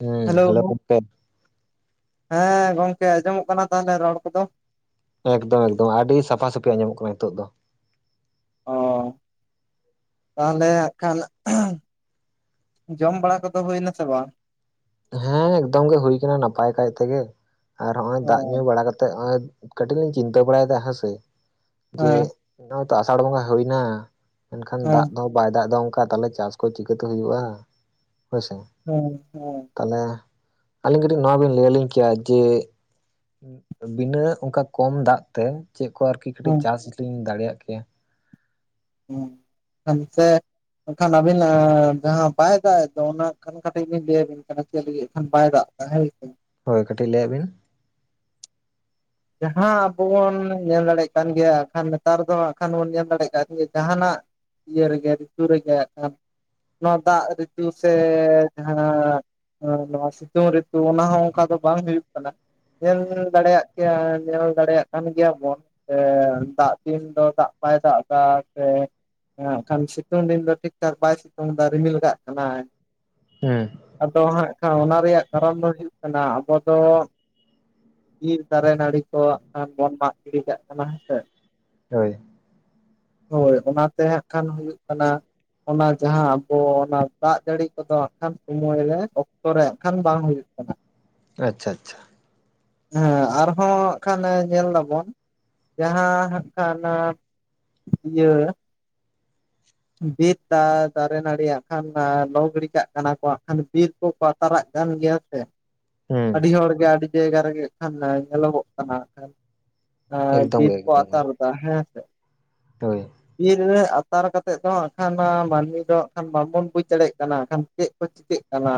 ᱦᱩᱸ ᱦᱮᱞᱳ [unintelligible] ᱦᱮᱸ ᱜᱚᱝᱠᱮ ᱟᱸᱡᱚᱢᱚᱜ ᱠᱟᱱᱟ ᱛᱟᱦᱚᱞᱮ ᱨᱚᱲ ᱠᱚᱫᱚ? ᱮᱠᱫᱚᱢ ᱮᱠᱫᱚᱢ ᱟᱹᱰᱤ ᱥᱟᱯᱷᱟ ᱥᱟᱹᱯᱷᱤ ᱟᱸᱡᱚᱢᱚᱜ ᱠᱟᱱᱟ ᱱᱤᱛᱚᱜ ᱫᱚ ᱾ ᱚ ᱾ ᱛᱟᱦᱚᱞᱮ ᱦᱜ ᱠᱷᱟᱱ ᱡᱚᱢ ᱵᱟᱲᱟ ᱠᱚᱫᱚ ᱦᱩᱭᱱᱟ ᱥᱮ ᱵᱟᱝ? ᱦᱮᱸ ᱮᱠᱫᱚᱢ ᱜᱮ ᱦᱩᱭ ᱠᱟᱱᱟ ᱱᱟᱯᱟᱭ ᱠᱟᱭ ᱛᱮᱜᱮ ᱟᱨ ᱦᱚᱜ-ᱚᱭ ᱚ ᱫᱟᱜ ᱧᱩ ᱵᱟᱲᱟ ᱠᱟᱛᱮᱜ ᱦᱚᱜ-ᱚᱭ ᱠᱟᱹᱴᱤᱡ ᱞᱤᱧ ᱪᱤᱱᱛᱟᱹ ᱵᱟᱲᱟᱭᱮᱫᱟ ᱦᱮᱸᱥᱮ ᱡᱮ ᱦᱮᱸ ᱱᱚᱜᱼᱚᱭ ᱛᱚ ᱟᱥᱟᱲ ᱵᱚᱸᱜᱟ ᱦᱩᱭᱱᱟ ᱾ ᱢᱮᱱᱠᱷᱟᱱ ᱦᱮᱸ ᱫᱟᱜ ᱫᱚ ᱵᱟᱭ ᱫᱟᱜ ᱮᱫᱟ ᱚᱱᱠᱟ ᱛᱟᱦᱞᱮ ᱪᱟᱥ ᱠᱚ ᱪᱤᱠᱟᱹᱛᱮ ᱦᱩᱭᱩᱜᱼᱟ? ᱦᱳᱭᱥᱮ ᱾ ᱦᱮᱸ ᱦᱮᱸ ᱛᱟᱦᱞᱮ ᱟᱹᱞᱤᱧ ᱠᱟᱹᱴᱤᱡ ᱱᱚᱣᱟ ᱵᱤᱱ ᱞᱟᱹᱭᱟᱞᱤᱧ ᱠᱮᱭᱟ ᱡᱮ ᱵᱤᱱᱟᱹ ᱚᱱᱠᱟ ᱠᱚᱢ ᱫᱟᱜ ᱛᱮ ᱪᱮᱫ ᱠᱚ ᱟᱨᱠᱤ ᱠᱟᱹᱴᱤᱡ ᱦᱮᱸ ᱪᱟᱥ ᱞᱤᱧ ᱫᱟᱲᱮᱭᱟᱜ ᱠᱮᱭᱟ? ᱦᱸ [unintelligible] ᱮᱠᱷᱟᱱ ᱟᱹᱵᱤᱱ ᱡᱟᱦᱟᱸ ᱵᱟᱭ ᱫᱟᱜ ᱮ ᱫᱚ ᱚᱱᱟ ᱠᱟᱱ ᱠᱟᱴᱤᱡ ᱞᱧ ᱞᱟᱹᱭᱟᱵᱤᱱ ᱠᱟᱱᱟ ᱪᱮᱫ ᱞᱟᱹᱜᱤᱫ ᱮ ᱠᱷᱟᱱ ᱵᱟᱭ ᱫᱟᱜᱼᱼ ᱦᱮᱸ ᱦᱩᱭ ᱟᱠᱟᱱᱟ ᱦᱳᱭ ᱠᱟᱹᱴᱤᱡ ᱞᱟᱹᱭᱟᱜ ᱵᱤᱱ ᱾ ᱡᱟᱦᱟᱸ ᱟᱵᱚ ᱵᱚᱱ ᱧᱮᱞ ᱫᱟᱲᱮᱜ ᱠᱟᱱ ᱜᱮᱭᱟ ᱟᱠᱷᱟᱱ ᱱᱮᱛᱟᱨ ᱫᱚ ᱟᱠᱷᱟᱱ ᱵᱚᱱ ᱧᱮᱞ ᱫᱟᱲᱮᱜ ᱠᱟᱱ ᱜᱮ ᱡᱟᱦᱟᱱᱟᱜ ᱤᱭᱟᱹ ᱨᱮᱜᱮ ᱨᱤᱛᱩ ᱨᱮᱜᱮ ᱱᱚᱣᱟ ᱫᱟᱜ ᱨᱤᱛᱩ ᱥᱮ ᱡᱟᱦᱟᱸᱼᱼ ᱱᱚᱣᱟ ᱥᱤᱛᱩᱝ ᱨᱤᱛᱩ ᱚᱱᱟ ᱦᱚᱸ ᱚᱱᱠᱟ ᱫᱚ ᱵᱟᱝ ᱦᱩᱭᱩᱜ ᱠᱟᱱᱟ ᱧᱮᱞ ᱫᱟᱲᱮᱭᱟᱜ ᱠᱮᱭᱟ ᱧᱮᱞ ᱫᱟᱲᱮᱭᱟᱜ ᱠᱟᱱ ᱜᱮᱭᱟ ᱵᱚᱱ ᱾ ᱫᱟᱜ ᱫᱤᱱ ᱫᱚ ᱫᱟᱜ ᱵᱟᱭ ᱫᱟᱜ ᱮᱫᱟ ᱥᱮ ᱦᱮᱜ ᱠᱷᱟᱱ ᱥᱤᱛᱩᱝ ᱫᱤᱱ ᱫᱚ ᱴᱷᱤᱠ ᱴᱷᱟᱠ ᱵᱟᱭ ᱥᱤᱛᱩᱝ ᱫᱟ ᱨᱤᱢᱤᱞ ᱠᱟᱜ ᱠᱟᱱᱟᱭ᱾ ᱦᱮᱸ᱾ ᱟᱫᱚ ᱦᱟᱸᱜ ᱠᱷᱟᱱ ᱚᱱᱟ ᱨᱮᱭᱟᱜ ᱠᱟᱨᱚᱱ ᱫᱚ ᱦᱩᱭᱩᱜ ᱠᱟᱱᱟ ᱟᱵᱚ ᱫᱚᱼᱼ ᱫᱟᱨᱮ ᱱᱟᱹᱲᱤ ᱠᱚ ᱦᱟᱜ ᱠᱷᱟᱱ ᱵᱚᱱ ᱢᱟᱜ ᱜᱤᱰᱤ ᱠᱟᱜ ᱠᱟᱱᱟ ᱦᱮᱸᱥᱮ᱾ ᱦᱳᱭ᱾ ᱦᱳᱭ ᱚᱱᱟᱛᱮ ᱦᱟᱸᱜ ᱠᱷᱟᱱ ᱦᱩᱭᱩᱜ ᱠᱟᱱᱟᱼᱼ ᱚᱱᱟ ᱡᱟᱦᱟᱸ ᱟᱵᱚ ᱚᱱᱟ ᱫᱟᱜ ᱡᱟᱹᱲᱤ ᱠᱚᱫᱚ ᱦᱟᱜ ᱠᱷᱟᱱ ᱥᱚᱢᱚᱭ ᱨᱮ ᱚᱠᱛᱚ ᱨᱮ ᱦᱟᱜᱠᱷᱟᱱ ᱵᱟᱝ ᱦᱩᱭᱩᱜ ᱠᱟᱱᱟ᱾ [inaudible] ᱟᱪᱪᱷᱟ ᱟᱪᱪᱷᱟ᱾ ᱦᱮᱸ ᱟᱨᱦᱚᱸ ᱦᱟᱸᱜ ᱠᱷᱟᱱ ᱧᱮᱞ ᱫᱟᱵᱚᱱ ᱡᱟᱦᱟᱸ ᱦᱟᱸᱜ ᱠᱷᱟᱱᱼᱼ ᱤᱭᱟᱹᱼᱼ ᱵᱤᱨ ᱫᱟ ᱫᱟᱨᱮ ᱱᱟᱹᱲᱤ ᱦᱟᱜ ᱠᱷᱟᱱ ᱞᱚ ᱜᱤᱲᱤ ᱠᱟᱜ ᱠᱟᱱᱟ ᱠᱚ ᱦᱟᱸᱜ ᱠᱷᱟᱱ ᱵᱤᱨᱼᱼ ᱠᱚ ᱟᱛᱟᱨᱟᱜ ᱠᱟᱱ ᱜᱮᱭᱟ ᱦᱮᱸ ᱥᱮ᱾ ᱦᱩᱸ ᱟᱹᱰᱤ ᱦᱚᱲ ᱜᱮ ᱟᱹᱰᱤ ᱡᱟᱭᱜᱟ ᱨᱮᱜᱮ ᱦᱟᱜ ᱠᱷᱟᱱ ᱧᱮᱞᱚᱜᱚᱜ ᱠᱟᱱᱟ ᱦᱟᱜ ᱠᱷᱟᱱ ᱾ ᱮᱠᱫᱚᱢ ᱵᱤᱨ ᱜᱮ ᱠᱚ ᱮᱠᱫᱚᱢ ᱜᱮ ᱟᱛᱟᱨ ᱮᱫᱟ ᱦᱮᱸ ᱥᱮ ᱦᱳᱭ ᱵᱤᱨ ᱨᱮ ᱟᱛᱟᱨ ᱠᱟᱼᱼ ᱛᱮᱫ ᱫᱚᱠᱷ ᱚᱱᱟ ᱢᱟᱹᱱᱢᱤ ᱫᱚ ᱠᱷᱟᱱ ᱵᱟᱵᱚᱱ ᱵᱩᱡᱽ ᱫᱟᱲᱮᱭᱟᱜ ᱠᱟᱱᱟᱠᱷᱟᱱ ᱪᱮᱫ ᱠᱚ ᱪᱤᱠᱟᱹᱜ ᱠᱟᱱᱟ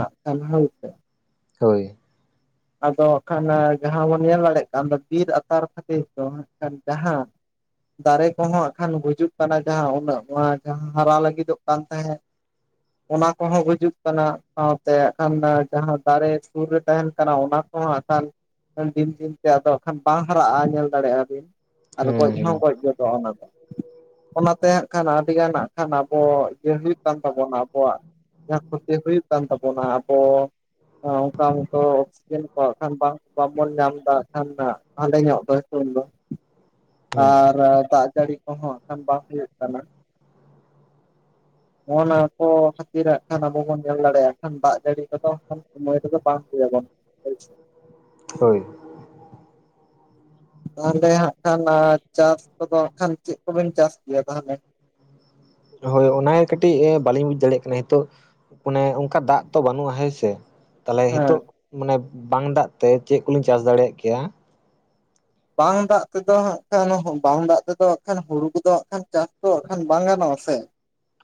ᱫᱚᱭ ᱥᱮ ᱦᱳᱭ᱾ ᱟᱫᱚ ᱦᱟᱜ ᱠᱷᱟᱱ ᱡᱟᱦᱟᱸ ᱵᱚᱱ ᱧᱮᱞ ᱫᱟᱲᱮᱭᱟᱜ ᱠᱟᱱ ᱫᱚ ᱵᱤᱨ ᱟᱛᱟᱨ ᱠᱷᱟᱹᱛᱤᱨ ᱫᱚ ᱦᱟᱜ ᱠᱷᱟᱱ ᱡᱟᱦᱟᱸᱼᱼ ᱫᱟᱨᱮ ᱠᱚᱦᱚᱸ ᱟᱜᱠᱷᱟᱱ ᱜᱩᱡᱩᱜ ᱠᱟᱱᱟ ᱡᱟᱦᱟᱸ ᱩᱱᱟᱹᱜ ᱱᱚᱣᱟ ᱡᱟᱦᱟᱸ ᱦᱟᱨᱟ ᱞᱟᱹᱜᱤᱫᱚᱜ ᱠᱟᱱ ᱛᱟᱦᱮᱸᱫ᱾ ᱚᱱᱟ ᱠᱚᱦᱚᱸ ᱜᱩᱡᱩᱜ ᱠᱟᱱᱟ, ᱥᱟᱶᱛᱮ ᱠᱷᱟᱱ ᱡᱟᱦᱟᱸ ᱫᱟᱨᱮ ᱥᱩᱨ ᱨᱮ ᱛᱟᱦᱮᱱ ᱠᱟᱱᱟ ᱚᱱᱟ ᱠᱚᱦᱚᱸ ᱦᱟᱜᱠᱷᱟᱱ ᱫᱤᱱ ᱫᱤᱱ ᱛᱮ ᱟᱫᱚ ᱦᱟᱜ ᱠᱷᱟᱱ ᱵᱟᱝ ᱦᱟᱨᱟᱜ-ᱟ ᱧᱮᱞ ᱫᱟᱲᱮᱭᱟᱜ-ᱟ ᱵᱤᱱ᱾ ᱟᱨ ᱜᱚᱡ ᱦᱚᱸ ᱦᱩᱸ ᱜᱚᱡ ᱜᱚᱫᱚᱜ-ᱟ ᱚᱱᱟ ᱫᱚ᱾ ᱚᱱᱟᱛᱮ ᱦᱟᱸᱜ ᱠᱷᱟᱱ ᱟᱹᱰᱤᱜᱟᱱ ᱦᱟᱸᱜ ᱠᱷᱟᱱ ᱟᱵᱚ ᱤᱭᱟᱹ ᱦᱩᱭᱩᱜ ᱠᱟᱱ ᱛᱟᱵᱚᱱᱟ ᱟᱵᱚᱣᱟᱜ᱾ ᱡᱟᱦᱟᱸ ᱠᱷᱚᱛᱤ ᱦᱩᱭᱩᱜ ᱠᱟᱱ ᱛᱟᱵᱚᱱᱟ ᱟᱵᱚ ᱚᱱᱠᱟ ᱢᱚᱛᱚ ᱚᱠᱥᱤᱡᱮᱱ ᱠᱚᱟᱜ ᱠᱷᱟᱱ ᱵᱟᱝ ᱵᱟᱵᱚᱱ ᱧᱟᱢ ᱮᱫᱟ ᱠᱷᱟᱱ ᱦᱟᱸᱰᱮ ᱧᱚᱜ ᱫᱚ ᱫᱚ ᱦᱩᱸ ᱦᱩᱸ ᱟᱨ ᱫᱟᱜ ᱡᱟᱹᱲᱤ ᱚ ᱦᱚᱸ ᱵᱟᱝᱟᱦ ᱦᱩᱭ ᱠᱟᱱᱟ᱾ ᱱᱚᱜᱼ ᱱᱟ ᱠᱚ ᱠᱷᱟᱹᱛᱤᱨᱟᱜᱜ ᱠᱷᱟᱱ ᱟᱵᱚ ᱵᱚᱱ ᱧᱮᱞ ᱫᱟᱲᱮᱭᱟᱜᱼᱟ ᱠᱷᱟᱱ ᱫᱟᱜ ᱡᱟᱹᱲᱤ ᱠᱚᱫᱚᱼᱼ ᱥᱚᱢᱚᱭ ᱨᱮᱫᱚ ᱵᱟᱝ ᱦᱩᱭᱩᱜᱼᱟ ᱦᱚᱭ ᱥᱮ ᱦᱳᱭ ᱛᱟᱦᱚᱞᱮ ᱦᱟᱸᱜ ᱠᱷᱟᱱ ᱪᱟᱥ ᱠᱚᱫᱚ ᱦ ᱠᱷᱟᱱ ᱪᱮᱫ ᱠᱚᱵᱮᱱ ᱪᱟᱥ ᱜᱮᱮᱭᱟ ᱛᱟᱦᱚᱞᱮ? ᱦᱳᱭ ᱚᱮ ᱠᱟᱹᱴᱤᱡ ᱵᱟᱟᱹᱞᱤᱧ ᱵᱩᱡ ᱫᱟᱲᱮᱭᱟᱜ ᱠᱟᱱᱟ ᱱᱤᱛᱚᱜᱼᱼ ᱟᱱᱮ ᱚᱱᱠᱟ ᱫᱟᱜ ᱛᱚ ᱵᱟᱹᱱᱩᱜᱼᱟ ᱦᱮᱸ ᱥᱮ ᱛᱟᱦᱚᱞᱮ ᱦᱮᱸ ᱱᱤᱛᱚᱜ ᱢᱟᱱᱮ ᱵᱟᱝ ᱫᱟᱜ ᱛᱮ ᱪᱮᱫ ᱠᱚᱞᱤᱧ ᱪᱟᱥ ᱫᱟᱲᱮᱭᱟᱜ ᱠᱮᱭᱟ? ᱵᱟᱝ ᱫᱟᱜ ᱛᱮᱫᱚ ᱦᱜ ᱠᱷᱟᱱ ᱵᱟᱝ ᱫᱟᱜ ᱛᱮᱫᱚ ᱦᱜ ᱠᱷ ᱦᱩᱲᱩ ᱠᱚᱫᱚ ᱦᱜ ᱠᱷ ᱪᱟᱥ ᱫᱚ ᱦ ᱠᱷᱟᱱ ᱵᱟᱝ ᱜᱟᱱᱚᱜᱼᱟ ᱥᱮ?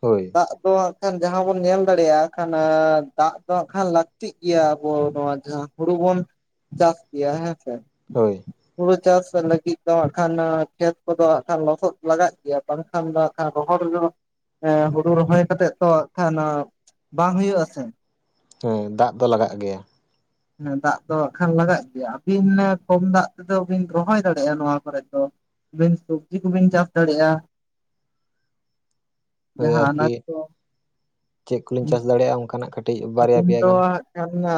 ᱦᱳᱭ ᱫᱟᱜ ᱫᱚ ᱦᱜ ᱠᱷᱟᱱ ᱡᱟᱦᱟᱸ ᱵᱚᱱ ᱧᱮᱞ ᱫᱟᱲᱮᱭᱟᱜ ᱠᱷᱟᱱ ᱫᱟᱜ ᱫᱚ ᱦᱟᱸᱜ ᱠᱷᱟᱱ ᱞᱟᱹᱠᱛᱤᱜ ᱜᱮᱭᱟ ᱟᱵᱚ ᱱᱚᱣᱟ ᱡᱟᱦᱟᱸᱼᱼ ᱦᱩᱲᱩ ᱵᱚᱱ ᱪᱟᱥ ᱜᱮᱭᱟ ᱦᱮᱸ ᱥᱮ ᱦᱳᱭ ᱦᱩᱲᱩ ᱪᱟᱥ ᱞᱟᱹᱜᱤᱫ ᱫᱚ ᱦᱟᱸᱜ ᱠᱷᱟᱱ ᱠᱷᱮᱛ ᱠᱚᱫᱚ ᱦ ᱠᱷᱟᱱ ᱞᱚᱥᱚᱫ ᱞᱟᱜᱟᱜ ᱜᱮᱭᱟ ᱵᱟᱝᱼᱼ ᱛᱟᱱᱰᱟ ᱵᱚᱦ [unintelligible] ᱦᱩᱲᱩ ᱨᱚᱦᱚᱭ ᱠᱟᱛᱮᱜ ᱛᱚᱠᱷ ᱚᱱᱟ ᱵᱟᱝ ᱦᱩᱭᱩᱜ ᱟᱥᱮ? ᱦᱮᱸ ᱫᱟᱜ ᱫᱚ ᱞᱟᱜᱟᱜ ᱜᱮᱭᱟ᱾ ᱦᱮ ᱫᱟᱜ ᱫᱚ ᱦᱜ ᱠᱷᱟᱱ ᱞᱟᱜᱟᱜ ᱜᱮᱭᱟ ᱟᱹᱵᱤᱱ ᱠᱚᱢ ᱫᱟᱜ ᱛᱮᱫᱚ ᱵᱤᱱ ᱨᱚᱦᱚᱭ ᱫᱟᱲᱮᱭᱟᱜᱼᱟ ᱱᱚᱣᱟ ᱠᱚᱨᱮ ᱫᱚ ᱟᱵᱤᱱ ᱥᱚᱵᱡᱤ ᱠᱚᱵᱤᱱ ᱪᱟᱥ ᱫᱟᱲᱮᱭᱟᱜᱼᱟ᱾ ᱦᱳᱭ ᱡᱟᱦᱟᱸ ᱟᱨᱠᱤ ᱟᱱᱟᱡ ᱠᱚ ᱪᱮᱫ ᱠᱚᱞᱤᱧ ᱪᱟᱥ ᱫᱟᱲᱮᱭᱟᱜᱼᱟ ᱚᱱᱠᱟᱱᱟᱜ ᱠᱟᱹᱴᱤᱡ ᱵᱟᱨᱭᱟ ᱟᱹᱵᱤᱱ ᱯᱮᱭᱟ ᱫᱚᱼᱼ ᱜᱟᱱ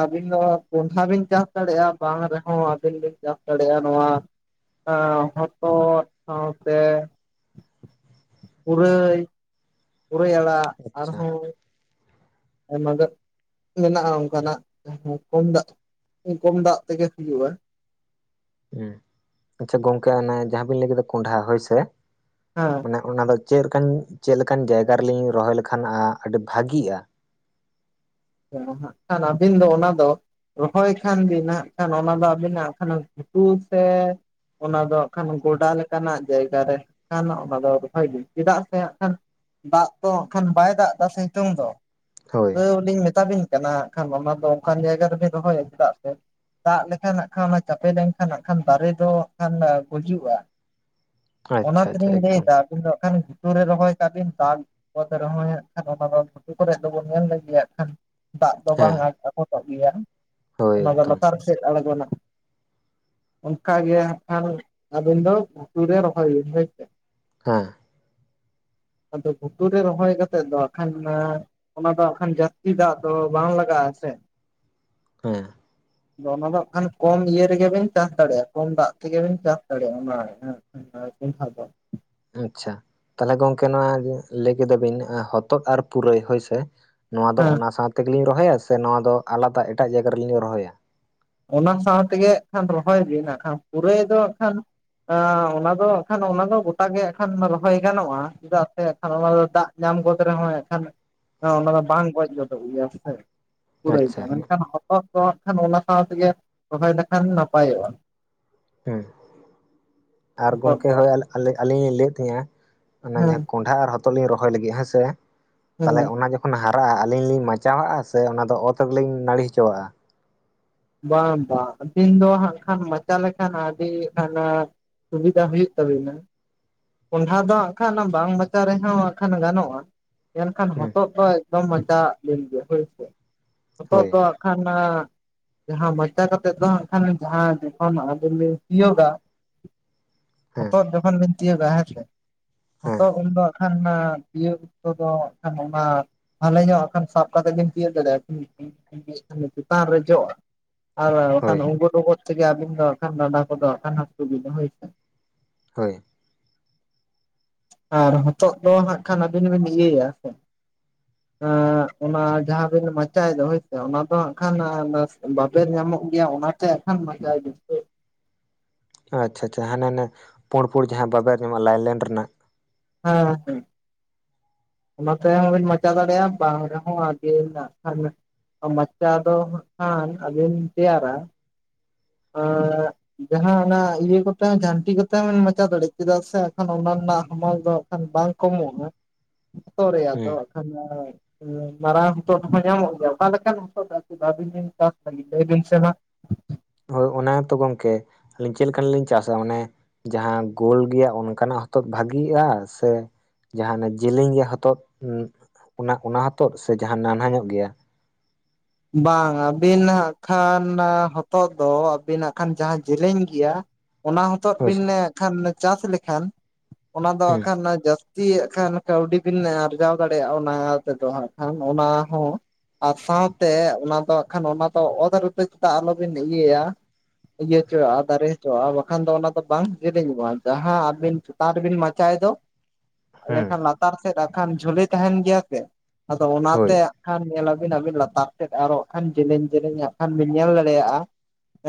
ᱟᱹᱵᱤᱱ ᱫᱚ ᱠᱚᱱᱹᱰᱷᱟ ᱵᱤᱱ ᱪᱟᱥ ᱫᱟᱲᱮᱭᱟᱜ-ᱟ ᱵᱟᱝ ᱨᱮᱦᱚᱸ ᱟᱹᱵᱤᱱ ᱵᱮᱱ ᱪᱟᱥ ᱫᱟᱲᱮᱭᱟᱜ-ᱟ ᱱᱚᱣᱟ ᱮᱸ ᱦᱚᱛᱚᱫ ᱥᱟᱶᱛᱮ ᱯᱩᱨᱟᱹᱭ ᱯᱩᱨᱟᱹᱭ ᱟᱲᱟᱜ ᱟᱪᱪᱷᱟ ᱟᱨᱦᱚᱸ ᱟᱭᱢᱟ ᱜᱟᱱ ᱢᱮᱱᱟᱜ-ᱟ ᱚᱱᱠᱟᱱᱟᱜ ᱠᱚᱢ ᱫᱟᱜ ᱠᱚᱢ ᱫᱟᱜ ᱛᱮᱜᱮ ᱦᱩᱭᱩᱜ-ᱟ᱾ ᱦᱩᱸ ᱟᱪᱪᱷᱟ ᱜᱚᱝᱠᱮ ᱚᱱᱮ ᱡᱟᱦᱟᱸ ᱵᱤᱱ ᱞᱟᱹᱭ ᱠᱮᱫᱟ ᱠᱚᱸᱰᱷᱟ ᱦᱳᱭ ᱥᱮ, ᱦᱮᱸ ᱚᱱᱮ ᱚᱱᱟᱫᱚ ᱪᱮᱨ ᱞᱮᱠᱟᱱ ᱪᱮᱫ ᱞᱮᱠᱟᱱ ᱡᱟᱭᱜᱟ ᱨᱮᱞᱤᱧ ᱨᱚᱦᱚᱭ ᱞᱮᱠᱷᱟᱱ ᱟ ᱟᱹᱰᱤ ᱵᱷᱟᱜᱤᱜ-ᱟ? ᱦᱟᱸᱜ ᱠᱷᱟᱱ ᱟᱹᱵᱤᱱ ᱫᱚ ᱚᱱᱟ ᱫᱚ ᱨᱚᱦᱚᱭ ᱠᱷᱟᱱ ᱵᱤᱱ ᱱᱟᱜ ᱠᱷᱟᱱ ᱚᱱᱟ ᱫᱚ ᱟᱹᱵᱤᱱᱟᱜ ᱠᱷᱟᱱ ᱜᱷᱩᱴ ᱥᱮ ᱚᱱᱟ ᱫᱚ ᱦᱟᱸᱜ ᱠᱷᱟᱱ ᱜᱚᱰᱟ ᱞᱮᱠᱟᱱᱟᱜ ᱡᱟᱭᱜᱟ ᱨᱮ ᱠᱷᱟᱱ ᱚᱱᱟ ᱫᱚ ᱨᱚᱦᱚᱭ ᱫᱤᱱ ᱪᱮᱫᱟᱜ ᱥᱮ ᱦᱟᱸᱜ ᱠᱷᱟᱱ ᱫᱟᱜ ᱛᱚ ᱦᱟᱸᱜ ᱠᱷᱟᱱ ᱵᱟᱭ ᱫᱟᱜ ᱮᱫᱟ ᱥᱮ ᱦᱤᱛᱩᱝ ᱫᱚ᱾ ᱦᱳᱭ ᱛᱟᱹᱣ ᱞᱤᱧ ᱢᱮᱛᱟᱵᱤᱱ ᱠᱟᱱᱟ ᱦᱟᱸᱜ ᱠᱷᱟᱱ ᱚᱱᱟ ᱫᱚ ᱚᱱᱠᱟᱱ ᱡᱟᱭᱜᱟ ᱨᱮᱵᱤᱱ ᱨᱚᱦᱚᱭ ᱟ ᱪᱮᱫᱟᱜ ᱥᱮ ᱫᱟᱜ ᱞᱮᱠᱷᱟᱱ ᱦᱟᱸᱜ ᱠᱷᱟᱱ ᱚᱱᱟ ᱪᱟᱯᱮ ᱞᱮᱱᱠᱷᱟᱱ ᱦᱟᱸᱜ ᱠᱷᱟᱱ ᱫᱟᱨᱮ ᱫᱚ ᱦᱟᱜ ᱠᱷᱟᱱ ᱜᱩᱡᱩᱜ-ᱟ᱾ ᱚᱱᱟ ᱟᱪᱪᱷᱟ ᱟᱪᱪᱷᱟ ᱛᱮᱞᱤᱧ ᱞᱟᱹᱭ ᱮᱠᱫᱚᱢ ᱫᱟ ᱤᱧ ᱫᱚ ᱦᱟᱸᱜ ᱠᱷᱟᱱ ᱜᱷᱩᱴᱩ ᱨᱮ ᱨᱚᱦᱚᱭ ᱠᱟᱜ ᱵᱤᱱ ᱫᱟᱞᱚᱛ ᱨᱚᱦᱚ ᱠᱷᱟᱱ ᱚᱱᱟ ᱫᱚ ᱜᱷᱩᱴᱩ ᱠᱚᱨᱮ ᱟᱫᱚᱵᱚᱱ ᱧᱮᱞ ᱞᱮᱭᱟᱜ ᱠᱷᱟᱱ ᱫᱟᱜ ᱫᱚ ᱵᱟᱝ ᱦᱮᱸ ᱟᱠᱚᱴᱚᱜ ᱜᱮᱭᱟ ᱦᱳᱭ ᱚᱱᱟ ᱫᱚ ᱮᱠᱫᱚᱢ ᱞᱟᱛᱟᱨ ᱥᱮᱫ ᱟᱲᱜᱳᱱᱟ ᱚᱱᱠᱟ ᱜᱮ ᱦᱟᱸᱜ ᱠᱷᱟᱱ ᱟᱵᱤᱱ ᱫᱚ ᱜᱷᱩᱴᱩ ᱨᱮ ᱨᱚᱦᱚᱭ ᱵᱤᱱ ᱦᱳᱭ ᱥᱮ᱾ ᱦᱮᱸ᱾ ᱟᱫᱚ ᱵᱷᱩᱴᱩ ᱨᱮ ᱨᱚᱦᱚᱭ ᱠᱟᱛᱮᱫ ᱫᱚ ᱟᱠᱷᱟᱱ ᱢᱟ ᱚᱱᱟ ᱫᱚᱜ ᱦᱟᱸᱜ ᱠᱷᱟᱱ ᱡᱟᱹᱥᱛᱤ ᱫᱟᱜ ᱫᱚ ᱵᱟᱝ ᱞᱟᱜᱟᱜ-ᱟ ᱥᱮ? ᱦᱮᱸ᱾ ᱟᱫᱚ ᱚᱱᱟ ᱫᱚ ᱦᱟᱜ ᱠᱷᱟᱱ ᱠᱚᱢ ᱤᱭᱟᱹ ᱨᱮᱜᱮ ᱵᱤᱱ ᱪᱟᱥ ᱫᱟᱲᱮᱜᱼᱟ ᱠᱚᱢ ᱫᱟᱜ ᱛᱮᱜᱮ ᱵᱤᱱ ᱪᱟᱥ ᱫᱟᱲᱮᱜᱼᱟ ᱚᱱᱟ ᱦᱮ [unintelligible] ᱟᱪᱪᱷᱟ ᱛᱟᱦᱞᱮ ᱜᱚᱢᱠᱮ ᱱᱚᱣᱟ ᱞᱟᱹᱭ ᱠᱮᱫᱟ ᱵᱤᱱ ᱦᱚᱛᱚᱫ ᱟᱨ ᱯᱩᱨᱟᱹᱭ ᱦᱳᱭᱥᱮ᱾ ᱱᱚᱣᱟ ᱫᱚ ᱦᱮᱸ ᱚᱱᱟ ᱥᱟᱶ ᱛᱮᱜᱮ ᱞᱤᱧ ᱨᱚᱦᱚᱭᱟ ᱥᱮ ᱱᱚᱣᱟ ᱫᱚ ᱟᱞᱟᱫᱟ ᱮᱴᱟᱜ ᱡᱟᱭᱜᱟ ᱨᱮᱞᱤᱧ ᱨᱚᱦᱚᱭᱟ? ᱚᱱᱟ ᱥᱟᱶ ᱛᱮᱜᱮ ᱦᱟᱸᱜ ᱠᱷᱟᱱ ᱨᱚᱦᱚᱭ ᱵᱤᱱ ᱦᱟᱜ ᱠᱷᱟᱱ ᱯᱩᱨᱟᱹᱭ ᱫᱚ ᱦᱟᱸᱜ ᱠᱷᱟᱱᱼᱼ ᱟᱸ ᱚᱱᱟ ᱫᱚ ᱦᱟᱸᱜ ᱠᱷᱟᱱ ᱚᱱᱟ ᱫᱚ ᱜᱚᱴᱟ ᱜᱮ ᱦᱟᱸᱜ ᱠᱷᱟᱱ ᱨᱚᱦᱚᱭ ᱜᱟᱱᱚᱜᱼᱟ, ᱪᱮᱫᱟᱜ ᱥᱮ ᱦᱟᱸᱜ ᱠᱷᱟᱱ ᱚᱱᱟ ᱫᱚ ᱫᱟᱜ ᱧᱟᱢ ᱜᱚᱫ ᱨᱮᱦᱚᱭ ᱦᱟᱸᱜ ᱠᱷᱟᱱ ᱚᱱᱟ ᱫᱚ ᱵᱟᱝ ᱜᱚᱡ ᱜᱚᱫᱚᱜ ᱜᱮᱭᱟ ᱥᱮ᱾ ᱯᱩᱨᱟᱹᱭ ᱫᱚ ᱟᱪᱪᱷᱟ ᱦᱮᱸ ᱢᱮᱱᱠᱷᱟᱱ ᱦᱚᱛᱚᱫ ᱫᱚ ᱦᱟᱸᱜ ᱠᱷᱟᱱ ᱚᱱᱟ ᱥᱟᱶ ᱛᱮᱜᱮ ᱨᱚᱦᱚᱭ ᱞᱮᱠᱷᱟᱱ ᱱᱟᱯᱟᱭᱚᱜᱼᱟ ᱾ ᱦᱩᱸ ᱟᱨ ᱦᱚᱛᱚᱫ ᱜᱚᱝᱠᱮ ᱫᱚ ᱦᱳᱭ ᱟ ᱟᱹᱞᱤᱧ ᱞᱤᱧ ᱞᱟᱹᱭᱮᱫ ᱛᱟᱦᱮᱸᱱᱟ, ᱚᱱᱮ ᱦᱮᱸ ᱡᱟᱦᱟᱸ ᱠᱚ ᱟᱨ ᱦᱚᱛᱚᱫ ᱞᱤᱧ ᱨᱚᱦᱚᱭ ᱞᱟᱹᱜᱤᱫ ᱦᱮᱸᱥᱮ ᱛᱟᱦᱞᱮ ᱦᱮᱸ ᱚᱱᱟ ᱡᱚᱠᱷ ᱠᱷᱚᱱ ᱦᱟᱨᱟᱜᱼᱟ, ᱟᱹᱞᱤᱧ ᱞᱤᱧ ᱢᱟᱪᱟᱣᱟᱜᱼᱟ ᱥᱮ ᱚᱱᱟᱫᱚ ᱚᱛ ᱨᱮᱞᱤᱧ ᱱᱟᱹᱲᱤ ᱦᱚᱪᱚᱣᱟᱜᱼᱟ? ᱵᱟᱝ ᱵᱟᱝ ᱫᱤᱱ ᱫᱚ ᱦᱟᱸᱜ ᱠᱷᱟᱱ ᱢᱟᱪᱟ ᱞᱮᱠᱷᱟᱱ ᱟᱹᱰᱤ ᱠᱷᱟᱱᱼᱼ ᱥᱩᱵᱤᱫᱷᱟ ᱦᱩᱭᱩᱜ ᱛᱟᱵᱤᱱᱟ᱾ ᱠᱚᱸᱰᱦᱟ ᱫᱚ ᱦᱟᱸᱜ ᱠᱷᱟᱱ ᱵᱟᱝ ᱢᱟᱪᱟ ᱨᱮᱦᱚᱸ ᱦᱟᱸᱜ ᱠᱷᱟᱱ ᱜᱟᱱᱚᱜᱼᱟ, ᱮᱱᱠᱷᱟᱱ ᱦᱮᱸ ᱦᱚᱛᱚᱫ ᱫᱚ ᱮᱠᱫᱚᱢ ᱢᱟᱪᱟᱣᱟᱜ ᱵᱤᱱ ᱜᱮ ᱦᱳᱭᱥᱮ ᱦᱚᱛᱚᱜ ᱦᱳᱭ ᱫᱚ ᱦᱟᱸᱜ ᱠᱷᱟᱱ ᱟᱻ ᱡᱟᱦᱟᱸ ᱢᱟᱪᱟ ᱠᱟᱛᱮ ᱫᱚ ᱦᱟᱸᱜ ᱠᱷᱟᱱ ᱡᱟᱦᱟᱸ ᱡᱚᱠᱷᱚᱱ ᱟᱵᱤᱱ ᱵᱤᱱ ᱛᱤᱭᱳᱜᱟᱼᱼ ᱦᱮᱸ ᱦᱚᱛᱚᱫ ᱡᱚᱠᱷᱚᱱ ᱵᱤᱱ ᱛᱤᱭᱳᱜᱟ, ᱦᱮᱸ ᱥᱮ ᱦᱮᱸ ᱦᱚᱛᱚᱫ ᱩᱱ ᱫᱚ ᱠᱷᱟᱱ ᱛᱤᱭᱳᱜ ᱛᱮᱫᱚ ᱦᱟᱜ ᱠᱷᱟᱱ ᱚᱱᱟ ᱵᱷᱟᱞᱮ ᱧᱚᱜ ᱦᱟᱸᱜ ᱠᱷᱟᱱ ᱥᱟᱵ ᱠᱟᱛᱮᱫ ᱵᱤᱱ ᱛᱤᱭᱳᱜ ᱫᱟᱲᱮᱜᱼᱟ, [unintelligible] ᱪᱮᱛᱟᱱ ᱨᱮ ᱡᱚᱜᱼᱟ᱾ ᱟᱨ ᱵᱟᱠᱷᱟᱱ ᱦᱳᱭ ᱩᱸᱜᱚᱫ ᱩᱸᱜᱚᱫ ᱛᱮᱜᱮ ᱟᱵᱤᱱ ᱫᱚ ᱦᱟᱸᱜ ᱠᱷᱟᱱ ᱰᱟᱱᱰᱟ ᱠᱚᱫᱚ ᱦᱟᱸᱜ ᱦᱟᱥᱩ ᱵᱤᱱᱟᱹ ᱦᱳᱭᱥᱮ᱾ ᱦᱳᱭ᱾ ᱟᱨ ᱦᱚᱛᱚᱜ ᱫᱚ ᱦᱟᱸᱜ ᱠᱷᱟᱱ ᱟᱹᱵᱤᱱ ᱵᱤᱱ ᱤᱭᱟᱹᱭᱟ ᱦᱮᱸ ᱥᱮ᱾ ᱮᱸ ᱚᱱᱟ ᱡᱟᱦᱟᱸ ᱵᱤᱱ ᱢᱟᱪᱟᱭ ᱫᱚ ᱦᱳᱭᱥᱮ ᱚᱱᱟ ᱫᱚ ᱦᱟᱸᱜ ᱠᱷᱟᱱ [unintelligible] ᱵᱟᱵᱮᱨ ᱧᱟᱢᱚᱜ ᱜᱮᱭᱟ, ᱚᱱᱟᱼᱼ ᱛᱮ ᱦᱟᱜ ᱠᱷᱟᱱ ᱢᱟᱪᱟᱭ ᱵᱤᱱ ᱠᱟᱹᱡ᱾ ᱚ ᱟᱪᱪᱷᱟ ᱟᱪᱪᱷᱟ ᱦᱟᱱᱮ ᱟᱱᱮ ᱯᱳᱲ ᱯᱳᱲ ᱡᱟᱦᱟᱸ ᱵᱟᱵᱮᱨ ᱧᱟᱢᱚᱜ-ᱟ, ᱞᱟᱭᱞᱮᱱ ᱨᱮᱱᱟᱜ ᱾ ᱦᱮᱸ ᱦᱮᱸ᱾ ᱚᱱᱟ ᱛᱮᱦᱚᱸ ᱵᱤᱱ ᱢᱟᱪᱟ ᱫᱟᱲᱮᱜᱼᱟ, ᱵᱟᱝ ᱨᱮᱦᱚᱸ ᱟᱹᱵᱤᱱ ᱦᱟᱸᱜ ᱠᱷᱟᱱ᱾ ᱢᱟᱪᱟ ᱫᱚ ᱦᱟᱸᱜ ᱠᱷᱟᱱ ᱟᱹᱵᱤᱱ ᱛᱮᱭᱟᱨᱟ᱾ ᱟᱸᱻ ᱡᱟᱦᱟᱸ ᱚᱱᱟ ᱤᱭᱟᱹ ᱠᱚᱛᱮ ᱡᱷᱟᱹᱱᱴᱤ ᱠᱚᱛᱮ ᱦᱚᱸ ᱵᱤᱱ ᱢᱟᱪᱟ ᱫᱟᱲᱮᱜ-ᱟ, ᱪᱮᱫᱟᱜ ᱥᱮ ᱮᱠᱷᱟᱱ ᱚᱱᱟ ᱨᱮᱱᱟᱜ ᱦᱟᱢᱟᱞ ᱫᱚᱼᱼ ᱠᱷᱟᱱ ᱵᱟᱝ ᱠᱚᱢᱚᱜᱼᱟ ᱡᱚᱛᱚ ᱨᱮᱭᱟᱜ ᱦᱮᱸ ᱟᱜᱠᱷᱟᱱ ᱢᱟᱨᱟᱝ ᱦᱚᱛᱚᱫ ᱦᱚ ᱧᱟᱢᱚᱜ ᱜᱮᱭᱟ᱾ ᱚᱠᱟ ᱞᱮᱠᱟᱱ ᱦᱚᱛᱚᱫ [unintelligible] ᱵᱤᱱ ᱪᱟᱥ ᱞᱟᱹᱜᱤᱫ ᱞᱟᱹᱭ ᱵᱤᱱ ᱥᱮ ᱢᱟ? ᱦᱳᱭ ᱚᱱᱟ ᱜᱮᱛᱚ ᱜᱚᱝᱠᱮ ᱟᱹᱞᱤᱧ ᱪᱮᱫ ᱞᱮᱠᱟᱱᱟᱜ ᱞᱤᱧ ᱪᱟᱥᱟ ᱚᱱᱮ ᱡᱟᱦᱟᱸ ᱜᱳᱞ ᱜᱮᱭᱟ ᱚᱱᱠᱟᱱᱟᱜ ᱦᱚᱛᱚ ᱵᱷᱟᱜᱤᱜᱼᱟ? ᱥᱮ ᱡᱟᱦᱟᱸ ᱚᱱᱮ ᱡᱮᱞᱮᱧ ᱜᱮ ᱦᱚᱛᱚᱫ ᱚᱱᱟ ᱚᱱᱟ ᱦᱚᱛᱚᱫ ᱥᱮ ᱡᱟᱦᱟᱸ ᱱᱟᱱᱦᱟ ᱧᱚᱜ ᱜᱮᱭᱟ? ᱵᱟᱝ ᱟᱹᱵᱤᱱ ᱦᱟᱸᱜ ᱠᱷᱟᱱ ᱦᱚᱛᱚᱫ ᱫᱚ ᱟᱹᱵᱤᱱ ᱦᱟᱸᱜ ᱠᱷᱟᱱ ᱡᱟᱦᱟᱸ ᱡᱮᱞᱮᱧ ᱜᱮᱭᱟ᱾ ᱚᱱᱟ ᱦᱚᱛᱚᱫ ᱦᱳᱭ ᱵᱤᱱ ᱥᱮ ᱠᱷᱟᱱ ᱪᱟᱥ ᱞᱮᱠᱷᱟᱱ ᱚᱱᱟ ᱫᱚ ᱦᱟᱸᱜ ᱦᱩᱸ ᱠᱷᱟᱱ ᱡᱟᱹᱥ ᱛᱤ ᱦᱟᱸᱜ ᱠᱷᱟᱱ ᱠᱟᱹᱣᱰᱤ ᱵᱤᱱ ᱟᱨᱡᱟᱣ ᱫᱟᱲᱮᱭᱟᱜᱼᱟ᱾ ᱚᱱᱟ ᱛᱮᱫᱚ ᱦᱟᱸᱜ ᱠᱷᱟᱱ ᱚᱱᱟ ᱦᱚᱸ ᱟᱨ ᱥᱟᱶᱛᱮ ᱚᱱᱟ ᱫᱚ ᱦᱟᱸ ᱠᱷᱟᱱ ᱚᱱᱟ ᱫᱚ ᱚᱛ ᱨᱮᱫᱚ [unintelligible] ᱪᱮᱫᱟᱜ ᱟᱞᱚᱵᱤᱱ ᱤᱭᱟᱹᱭᱟ᱾ ᱤᱭᱟᱹ ᱦᱚᱪᱚᱣᱟᱜᱼᱟ ᱫᱟᱨᱮ ᱦᱚᱪᱚᱣᱟᱜᱼᱟ᱾ ᱵᱟᱠᱷᱟᱱ ᱫᱚ ᱚᱱᱟ ᱫᱚ ᱵᱟᱝ ᱡᱤᱞᱤᱧᱚᱜᱼᱟ ᱡᱟᱦᱟᱸ ᱟᱹᱵᱤᱱ ᱛᱟᱨᱵᱤᱱ ᱢᱟᱪᱟᱭ ᱫᱚ᱾ ᱦᱩᱸ ᱞᱮᱠᱷᱟᱱ ᱞᱟᱛᱟᱨ ᱥᱮᱫ ᱟᱠᱷᱟᱱ ᱡᱷᱚᱹᱞᱮ ᱛᱟᱦᱮᱱ ᱜᱮᱭᱟ ᱥᱮ, ᱟᱫᱚ ᱦᱳᱭ ᱚᱱᱟᱛᱮ ᱠᱷᱟᱱ ᱧᱮᱞᱟ ᱵᱤᱱ ᱟᱹᱵᱤᱱ ᱞᱟᱛᱟᱨ ᱥᱮᱫ ᱟᱨᱚ ᱦᱟᱜ ᱠᱷᱟᱱ ᱡᱮᱞᱮᱧ ᱡᱮᱞᱮᱧ ᱦᱟᱸᱜ ᱠᱷᱟᱱ ᱵᱤᱱ ᱧᱮᱞ ᱫᱟᱲᱮᱭᱟᱜᱼᱟ᱾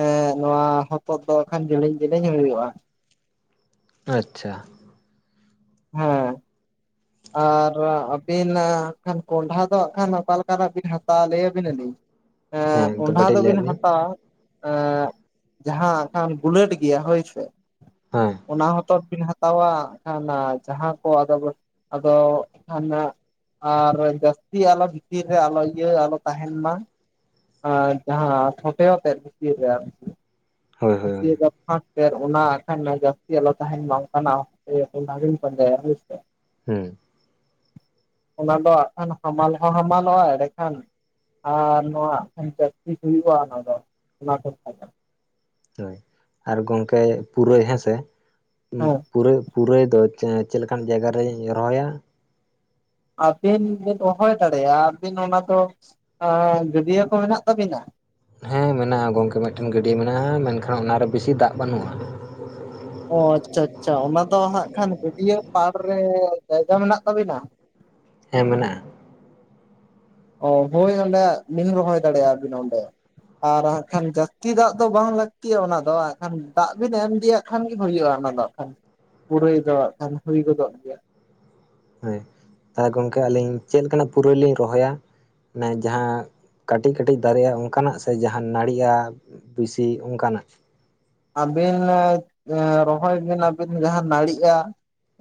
ᱮᱸ ᱱᱚᱣᱟ ᱦᱚᱛᱚᱫ ᱫᱚ ᱟᱠᱷᱟᱱ ᱡᱮᱞᱮᱧ ᱡᱮᱞᱮᱧ ᱦᱳᱭᱳᱜᱼᱟ ᱾ ᱟᱪᱪᱷᱟ ᱦᱮᱸ ᱟᱨ ᱟᱹᱵᱤᱱ ᱟᱜ ᱠᱷᱟᱱ ᱠᱚᱸᱰᱷᱟ ᱫᱚ ᱦᱟᱸᱜ ᱠᱷᱟᱱ ᱚᱠᱟᱞᱮ ᱞᱮᱠᱟᱱᱟᱜ ᱵᱤᱱ ᱦᱟᱛᱣᱟ ᱞᱟᱹᱭᱟ ᱵᱤᱱᱟᱞᱤᱧ? ᱦᱮᱸ ᱮᱸ ᱮᱠᱫᱚᱢ ᱠᱚᱸᱰᱷᱟ ᱠᱟᱹᱴᱤᱡ ᱞᱟᱹᱭᱟᱜ ᱫᱚᱵᱤᱱ ᱵᱤᱱ ᱦᱟᱛᱟᱣᱟ᱾ ᱮᱸ ᱡᱟᱦᱟᱸ ᱟᱠᱷᱟᱱ ᱵᱩᱞᱟᱹᱴ ᱜᱮᱭᱟ ᱦᱳᱭ ᱥᱮ ᱦᱮᱸ ᱚᱱᱟ ᱦᱚᱛᱚᱫ ᱵᱤᱱ ᱦᱟᱛᱟᱣᱼᱟ᱾ ᱮᱱᱠᱷᱟᱱ ᱡᱟᱦᱟᱸ ᱠᱚ ᱟᱫᱚ ᱟᱫᱚ ᱮᱱᱠᱷᱟᱱ ᱾ ᱟᱨ ᱡᱟᱹᱥᱛᱤ ᱟᱞᱚ ᱵᱷᱤᱛᱤᱨ ᱨᱮ ᱟᱞᱚ ᱤᱭᱟᱹ ᱟᱞᱚ ᱛᱟᱦᱮᱱ ᱢᱟ ᱾ ᱟᱨ ᱡᱟᱦᱟᱸ ᱯᱷᱚᱴᱮᱛᱮᱫ ᱵᱷᱤᱛᱤᱨ ᱨᱮ ᱟᱨᱠᱤ ᱦᱳᱭ ᱦᱳᱭ ᱵᱷᱤᱛᱤᱨ ᱦᱳᱭ ᱨᱮ᱾ [unintelligible] ᱡᱟᱹᱥᱛᱤ ᱟᱞᱚ ᱛᱟᱦᱮᱱ ᱢᱟ ᱚᱱᱠᱟᱱᱟᱜ ᱵᱤᱱ ᱯᱟᱸᱡᱟᱭᱟ ᱦᱩᱭ ᱥᱮ ᱦᱩᱸ ᱚᱱᱟ ᱫᱚ ᱦᱟᱜ ᱠᱷᱟᱱ ᱦᱟᱢᱟᱞ ᱦᱚᱸ ᱦᱟᱢᱟᱞᱚᱜᱼᱟ᱾ ᱮᱸᱰᱮᱠᱷᱟᱱᱼᱼ ᱟᱨ ᱱᱚᱣᱟᱠᱷᱟᱱ ᱯᱮᱠᱴᱤᱥ ᱦᱩᱭᱩᱜᱼᱟ ᱚᱱᱟ ᱫᱚ, ᱚᱱᱟ ᱠᱚ ᱾ ᱦᱳᱭ ᱟᱨ ᱜᱚᱝᱠᱮ ᱯᱩᱨᱟᱹᱭ ᱦᱮᱸᱥᱮ ᱾ ᱯᱩᱨ ᱯᱩᱨᱟᱹᱭ ᱫᱚ ᱪᱮᱫ ᱞᱮᱠᱟᱱ ᱡᱟᱭᱜᱟᱨᱮᱧ ᱨᱚᱦᱚᱭᱟ? ᱟᱹᱵᱤᱱ ᱵᱤᱱ ᱦᱚᱦᱚᱭ ᱫᱟᱲᱮᱭᱟᱜᱼᱟ᱾ ᱟᱹᱵᱤᱱ ᱚᱱᱟ ᱫᱚ ᱟ ᱜᱟᱹᱰᱭᱟᱹ ᱠᱚ ᱢᱮᱱᱟᱜ ᱛᱟᱵᱤᱱᱟ? ᱦᱮᱸ ᱢᱮᱱᱟᱜᱼᱟ ᱜᱚᱝᱠᱮ ᱢᱤᱫᱴᱮᱱ ᱜᱟᱹᱰᱭᱟᱹ ᱢᱮᱱᱟᱜᱼᱟ, ᱢᱮᱱᱠᱷᱟᱱ ᱚᱱᱟᱨᱮ ᱵᱮᱥᱤ ᱫᱟᱜ ᱵᱟᱹᱱᱩᱜᱼᱟ ᱾ ᱚ ᱟᱪᱪᱷᱟ ᱟᱪᱪᱷᱟ ᱚᱱᱟ ᱫᱚ ᱦᱟᱸᱜ ᱠᱷᱟᱱ ᱜᱟᱹᱰᱭᱟᱹ ᱯᱟᱲ ᱨᱮ ᱡᱟᱭᱜᱟ ᱢᱮᱱᱟᱜ ᱛᱟᱵᱤᱱᱟ? ᱦᱮᱸ ᱢᱮᱱᱟᱜᱼᱟ᱾ ᱚ ᱦᱳᱭ ᱚᱸᱰᱮ ᱵᱤᱱ ᱨᱚᱦᱚᱭ ᱫᱟᱲᱮᱭᱟᱜ ᱵᱤᱱ ᱚᱸᱰᱮ ᱟᱨ ᱦᱟᱜ ᱠᱷᱟᱱ ᱡᱟᱹᱥᱛᱤ ᱫᱟᱜ ᱫᱚ ᱵᱟᱝ ᱞᱟᱹᱠᱛᱤᱜᱤᱭᱟ ᱚᱱᱟ ᱫᱚ, ᱦᱟᱱ ᱫᱟᱜ ᱵᱤᱱ ᱮᱢ ᱤᱫᱤᱭᱟ ᱾ ᱠᱷᱟᱱᱜ ᱜᱮ ᱦᱩᱭᱩᱜᱼᱟ ᱚᱱᱟ ᱫᱚ ᱦᱟᱸᱜ ᱠᱷᱟᱱ ᱯᱩᱨᱟᱹᱭ ᱫᱚ ᱦᱜ ᱠᱷᱟᱱ ᱦᱩᱭ ᱜᱚᱫᱚᱜ ᱜᱮᱭᱟ᱾ ᱦᱮᱸ ᱜᱚᱝᱠᱮ ᱟᱹᱞᱤᱧ ᱪᱮᱫ ᱞᱮᱠᱟᱱᱟᱜ ᱯᱩᱨᱟᱹᱭ ᱞᱤᱧ ᱨᱚᱦᱚᱭᱟ? ᱢᱟᱱᱮ ᱡᱟᱦᱟᱸ ᱠᱟᱹᱴᱤᱡ ᱠᱟᱹᱴᱤᱡ ᱫᱟᱨᱮᱜᱼᱟ ᱚᱱᱠᱟᱱᱟᱜ ᱥᱮ ᱡᱟᱦᱟᱸ ᱱᱟᱹᱲᱤᱼᱟ? ᱵᱮᱥᱤ ᱚᱱᱠᱟᱱᱟᱜ? ᱟᱹᱵᱤᱱ ᱨᱚᱦᱚᱭ ᱵᱤᱱ ᱟᱹᱵᱤᱱ ᱡᱟᱦᱟᱸ ᱱᱟᱹᱲᱤᱜᱼᱟ᱾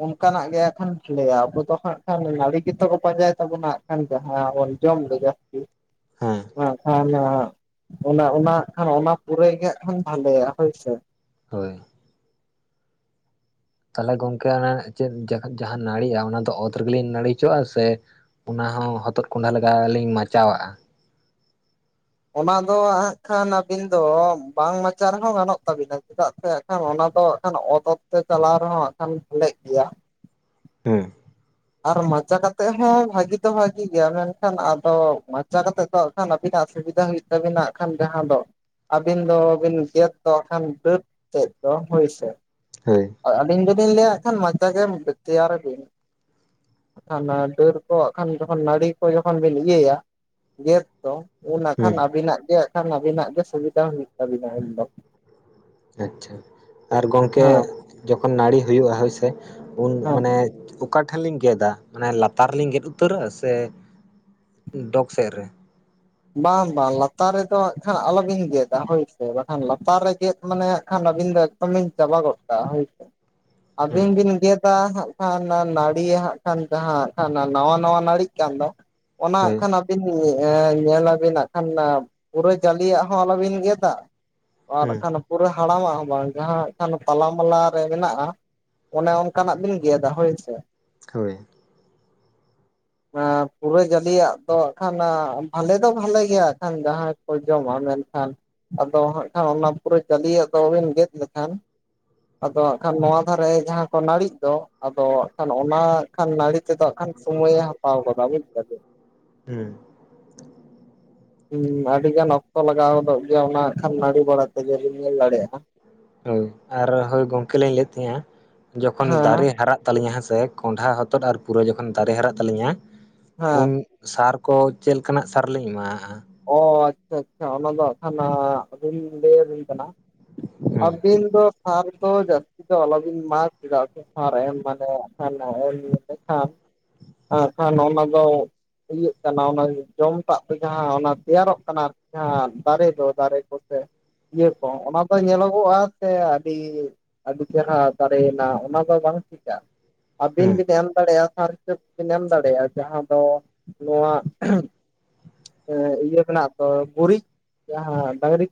ᱚᱱᱠᱟᱱᱟᱜ ᱜᱮ ᱦᱟᱜ ᱠᱷᱟᱱ ᱞᱟᱹᱭᱟ ᱟᱵᱚ ᱫᱚ ᱦᱟᱸᱜ ᱠᱷᱟᱱ ᱱᱟᱹᱲᱤ ᱜᱮᱛᱚ ᱠᱚ ᱯᱟᱸᱡᱟᱭ ᱛᱟᱵᱚᱱᱟ ᱾ ᱮ ᱦᱸ ᱡᱟᱦᱟ ᱵᱚᱱ ᱡᱚᱢ ᱫᱚ ᱡᱟᱥᱥᱛᱤ ᱾ ᱦᱮᱸ [unintelligible] ᱚᱱᱟ ᱚᱱᱟ ᱠᱷᱟᱱ ᱚᱱᱟ ᱯᱩᱨᱟᱹᱭ ᱠᱷᱟᱱ ᱵᱷᱟᱞᱮᱭᱟ ᱦᱳᱭᱥᱮ ᱾ ᱦᱳᱭ ᱛᱟᱦᱚᱞᱮ ᱜᱚᱝᱠᱮ ᱚᱱᱟ ᱪᱮᱫ ᱡᱟᱦᱟᱸ ᱱᱟᱹᱲᱤᱜᱼᱟ ᱚᱱᱟ ᱫᱚ ᱚᱛ ᱨᱮᱜᱮᱞᱤᱧ ᱱᱟᱹᱲᱤ ᱦᱚᱪᱚᱜᱣᱟᱜᱼ ᱟ ᱥᱮ? ᱚᱱᱟ ᱦᱚᱸ ᱦᱚᱛᱚᱫ ᱠᱚᱸᱰᱷᱟ ᱞᱮᱠᱟ ᱞᱤᱧ ᱢᱟᱪᱟᱣᱟᱜᱼᱟ? ᱚᱱᱟ ᱫᱚ ᱦᱟᱸᱜ ᱠᱷᱟᱱ ᱟᱹᱵᱤᱱ ᱫᱚ ᱵᱟᱝ ᱢᱟᱪᱟ ᱨᱮᱦᱚᱸ ᱜᱟᱱᱚᱜ ᱛᱟᱵᱤᱱᱟ ᱪᱮᱫᱟᱜ ᱥᱮ᱾ ᱠᱷ ᱚᱱᱟ ᱫᱚ ᱦᱟᱜ ᱠᱷᱟᱱ ᱚᱛᱚᱛ ᱛᱮ ᱪᱟᱞᱟᱣ ᱨᱮᱦᱚᱸ ᱦᱟᱜ ᱠᱷᱟᱱ ᱞᱮᱜ ᱜᱮᱭᱟ ᱾ ᱦᱩᱸ ᱟᱨ ᱢᱟᱪᱟ ᱠᱟᱛᱮᱜ ᱦᱚᱸ ᱵᱷᱟᱜᱤ ᱫᱚ ᱵᱷᱟᱜᱤ ᱜᱮ ᱢᱮᱱᱠᱷᱟᱱ ᱟᱫᱚ ᱢᱟᱪᱟ ᱠᱟᱛᱮᱜ ᱫᱚ ᱠᱷᱟᱱ ᱟᱵᱤᱱᱟᱜ ᱥᱩᱵᱤᱫᱷᱟ ᱦᱩᱭᱩᱜ ᱛᱟᱵᱤᱱᱟ ᱠᱷᱟᱱ ᱡᱟᱦᱟᱸ ᱫᱚ, ᱟᱹᱵᱤᱱ ᱫᱚᱵᱤᱱ ᱜᱮᱫ ᱫᱚ ᱠᱷᱟᱱ ᱵᱟᱹᱨ ᱛᱮᱫ ᱫᱚ ᱦᱩᱭ ᱥᱮ, ᱦᱳᱭ ᱾ ᱟᱸ ᱟᱹᱞᱤᱧ ᱫᱚᱞᱤᱧ ᱞᱟᱹᱭᱼᱟ ᱦᱟᱸᱜ ᱠᱷᱟᱱ ᱢᱟᱪᱟ ᱜᱮ ᱛᱮᱭᱟᱨ ᱵᱤᱱ ᱾ ᱟᱨᱠᱷᱟᱱ ᱰᱟᱹᱨ ᱠᱚ ᱦᱟᱸᱜ ᱠᱷᱟᱱ ᱡᱚᱠᱷᱚᱱ ᱱᱟᱹᱲᱤ ᱠᱚ ᱡᱚᱠᱷᱚᱱ ᱵᱤᱱ ᱤᱭᱟᱹᱭᱟ ᱜᱮᱫ ᱩᱱ ᱦᱟᱸᱜ ᱠᱷᱟᱱ ᱦᱩᱸ ᱟᱹᱵᱤᱱᱟᱜ ᱜᱮ ᱠᱷᱟᱱ ᱟᱹᱵᱤᱱᱟᱜ ᱜᱮ ᱥᱩᱵᱤᱫᱷᱟ ᱦᱩᱭᱩᱜ ᱛᱟᱹᱵᱤᱱᱟ ᱩᱱ ᱫᱚ ᱾ ᱟᱪᱪᱷᱟ ᱟᱨ ᱜᱚᱝᱠᱮ ᱡᱚᱠᱷᱚᱱ ᱱᱟᱹᱲᱤ ᱦᱩᱭᱩᱜᱼᱟ ᱦᱳᱭᱥᱮ, ᱩᱱ ᱦᱮᱸ ᱢᱟᱱᱮ, [unintelligible] ᱚᱠᱟᱴᱷᱮᱱ ᱞᱤᱝ ᱜᱮᱫᱟ ᱢᱟᱱᱮ ᱞᱟᱛᱟᱨ ᱨᱮ ᱞᱤᱧ ᱜᱮᱫ ᱩᱛᱟᱹᱨᱟ ᱥᱮ ᱰᱚᱜᱽ ᱥᱮᱫ ᱨᱮ ᱾ ᱵᱟᱝ ᱵᱟᱝ ᱞᱟᱛᱟᱨ ᱨᱮᱫᱚ ᱦᱟᱸᱜ ᱠᱷᱟᱱ ᱟᱞᱚᱵᱤᱱ ᱜᱮᱫᱟ ᱦᱳᱭᱥᱮ ᱵᱟᱝᱠᱷᱟᱱ ᱞᱟᱛᱟᱨ ᱨᱮ ᱜᱮᱫ ᱢᱟᱱᱮ ᱦᱟᱸᱜ ᱠᱷᱟᱱ ᱟᱹᱵᱤᱱ ᱫᱚᱼᱼ ᱵᱤᱱ ᱪᱟᱵᱟ ᱜᱚᱫ ᱠᱟᱜᱼᱟ ᱦᱳᱭᱥᱮ ᱦᱩᱸ ᱟᱹᱵᱤᱱ ᱵᱤᱱ ᱜᱮᱫ ᱟ ᱦᱟᱸᱜ ᱠᱷᱟᱱ ᱱᱟᱹᱲᱤ ᱦᱟᱸᱜ ᱠᱷᱟᱱ ᱡᱟᱦᱟ ᱦᱟᱸᱜ ᱠᱷᱟᱱ ᱱᱟᱣᱟ ᱱᱟᱣᱟ ᱱᱟᱹᱲᱤᱜ ᱠᱟᱱ ᱫᱚᱼᱼ ᱚᱱᱟ ᱦᱟᱸᱜ ᱦᱳᱭ ᱠᱷᱟᱱ ᱟᱹᱵᱤᱱ ᱮᱸ ᱧᱮᱞᱟᱵᱤᱱ ᱱᱟᱜ ᱠᱷᱟᱱ ᱯᱩᱨᱟᱹ ᱡᱟᱞᱤᱭᱟᱜ ᱦᱚᱸ ᱟᱞᱚᱵᱤᱱ ᱜᱮᱫᱟ ᱟᱨ ᱦᱩᱸ ᱠᱷᱟᱱᱼᱼ ᱯᱩᱨᱟᱹ ᱦᱟᱲᱟᱢᱟᱜ ᱦᱚᱸ ᱵᱟᱝ ᱡᱟᱦᱟ ᱦᱟᱸᱜ ᱠᱷᱟᱱ ᱛᱟᱞᱟ ᱢᱟᱞᱟ ᱨᱮ ᱢᱮᱱᱟᱜᱼᱟ ᱼᱼ ᱚᱱᱮ ᱚᱱᱠᱟᱱᱟᱜ ᱵᱤᱱ ᱜᱮᱫᱟ ᱦᱳᱭ ᱥᱮ ᱾ ᱦᱳᱭ ᱾ ᱟᱸ ᱯᱩᱨᱟᱹ ᱡᱟᱹᱤᱭᱟᱜ ᱫᱚ ᱦᱟᱸᱜ ᱠᱷᱟᱱ ᱟᱸ ᱟᱞᱮ ᱫᱚ ᱵᱷᱟᱞᱮ ᱜᱮ ᱦᱟᱸᱜ ᱠᱷᱟᱱ ᱡᱟᱦᱟᱸᱭ ᱠᱚ ᱡᱚᱢᱟ ᱢᱮᱱᱠᱷᱟᱱ ᱟᱫᱚ ᱦᱟᱸᱜ ᱠᱷᱟᱱ ᱚᱱᱟ ᱯᱩᱨᱟᱹ ᱡᱟᱹᱞᱤᱭᱟᱜ ᱫᱚᱵᱤᱱ ᱜᱮᱫ ᱞᱮᱠᱷᱟᱱ ᱟᱫᱚ ᱦᱟᱸᱜ ᱠᱷᱟᱱ ᱱᱚᱣᱟ ᱫᱷᱟᱨᱮ ᱡᱟᱦᱟᱸ ᱠᱚ ᱱᱟᱹᱲᱤᱜ ᱫᱚ ᱟᱫᱚ ᱦᱟᱸᱜᱠᱷᱟᱱ ᱚᱱᱟ ᱠᱷᱟᱱ ᱱᱟᱹᱲᱤ ᱛᱮᱫᱚ ᱦᱟᱸᱜᱠᱷᱟᱱ ᱥᱚᱢᱚᱭᱮ ᱦᱟᱛᱟᱣ ᱜᱚᱫᱟ ᱵᱩᱡᱽ ᱫᱟᱹᱵᱤᱱ? ᱩᱸ ᱻ ᱾ ᱩᱸ ᱟᱹᱰᱤ ᱜᱟᱱ ᱚᱠᱛᱚ ᱞᱟᱜᱟᱣ ᱜᱚᱫᱚᱜ ᱜᱮᱭᱟ ᱚᱱᱟ ᱦᱟᱸᱜ ᱠᱷᱟᱱ ᱱᱟᱹᱲᱤ ᱵᱟᱲᱟ ᱛᱮᱜᱮ ᱵᱤᱱ ᱧᱮᱞ ᱫᱟᱲᱮᱭᱟᱜᱼᱟ ᱾ ᱦᱳᱭ ᱟᱨ ᱦᱳᱭ ᱜᱚᱝᱠᱮ ᱞᱤᱧ ᱞᱟᱹᱭᱮᱫ ᱛᱟᱦᱮᱸᱱᱟ ᱡᱚᱠᱷᱚᱱ ᱦᱮᱸ ᱫᱟᱨᱮ ᱦᱟᱨᱟᱜ ᱛᱟᱹᱞᱤᱧᱟ ᱦᱮᱸ ᱥᱮ ᱠᱚᱸᱰᱷᱟ ᱦᱚᱛᱚᱫ ᱟᱨ ᱯᱩᱨᱟᱹᱭ ᱡᱚᱠᱷᱚᱱ ᱫᱟᱨᱮ ᱦᱟᱨᱟᱜ ᱛᱟᱹᱞᱤᱧᱟ ᱩᱱ ᱦᱮᱸ ᱥᱟᱨ ᱠᱚ ᱪᱮᱜ ᱞᱮᱠᱟᱱᱟᱜ ᱥᱟᱨ ᱞᱤᱧ ᱮᱢᱟᱣᱟᱜᱼᱟ? ᱚ ᱟᱪᱪᱷᱟ ᱟᱪᱪᱷᱟ ᱚᱱᱟ ᱫᱚ ᱦᱟᱸᱜ ᱠᱷᱟᱱ ᱟᱹᱵᱤᱱ ᱤᱧ ᱞᱟᱹᱭ ᱟᱹᱵᱤᱱ ᱠᱟᱱᱟ ᱾ ᱦᱩᱸ ᱟᱹᱵᱤᱱ ᱫᱚ ᱥᱟᱨ ᱫᱚ ᱡᱟᱹᱥᱛᱤ ᱫᱚ ᱟᱞᱚᱵᱤᱱ ᱮᱢᱟᱜᱼᱟ ᱪᱮᱫᱟᱜ ᱥᱮ ᱥᱟᱨ ᱮᱢ ᱢᱟᱱᱮ ᱦᱟᱸᱜᱠᱷᱟᱱ [unintelligible] ᱮᱱᱠᱷᱟᱱ ᱚᱱᱟ ᱫᱚ ᱤᱭᱟᱹᱜ ᱠᱟᱱᱟ ᱚᱱᱟ ᱡᱚᱢᱴᱟᱜ ᱫᱚ ᱡᱟᱦᱟᱸ ᱚᱱᱟ ᱛᱮᱭᱟᱨᱚᱜ ᱠᱟᱱᱟ ᱡᱟᱦᱟᱸ ᱫᱟᱨᱮ ᱫᱚ ᱫᱟᱨᱮ ᱠᱚᱛᱮ ᱾ ᱤᱭᱟᱹ ᱠᱚ ᱚᱱᱟ ᱫᱚ ᱧᱮᱞᱚᱜᱚᱜᱼᱟ ᱥᱮ ᱟᱹᱰᱤ ᱟᱹᱰᱤ ᱪᱮᱨᱦᱟ ᱫᱟᱨᱮᱭᱮᱱᱟ ᱚᱱᱟ ᱫᱚ ᱵᱟᱝ ᱴᱷᱤᱠᱟ, ᱦᱩᱸ ᱟᱹᱵᱤᱱ ᱵᱤᱱ ᱮᱢ ᱫᱟᱲᱮᱭᱟᱜᱼᱟ ᱥᱟᱨ ᱦᱤᱥᱟᱹᱵ‌ ᱛᱮᱢ ᱮᱢ ᱫᱟᱲᱮᱭᱟᱜᱼᱟ ᱡᱟᱦᱟᱸ ᱫᱚ ᱱᱚᱣᱟ ᱮᱸ ᱤᱭᱟᱹ ᱢᱮᱱᱟᱜᱼᱟ ᱛᱚ ᱜᱩᱨᱤᱡ ᱡᱟᱦᱟᱸ ᱰᱟᱺᱝᱨᱤ ᱠᱚ